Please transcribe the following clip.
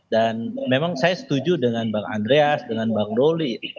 dan memang saya setuju dengan bang andreas dengan bang doli